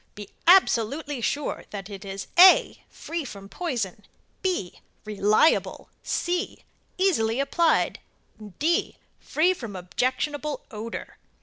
Be absolutely sure that it is (a) free from poison; (b) reliable; (c) easily applied; (d) free from objectionable odor.